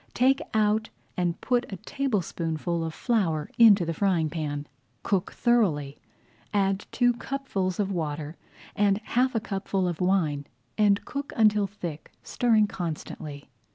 Take out and put a tablespoonful of flour into the frying pan. Cook thoroughly, add two cupfuls of water and half a cupful of wine, and cook until thick, stirring constantly.